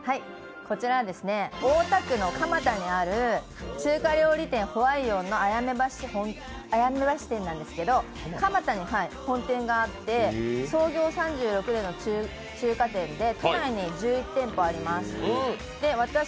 大田区の蒲田にある中華料理店・歓迎のあやめ橋店なんですけれども蒲田に本店があって、創業３６年の中華店で都内に１１店舗あります。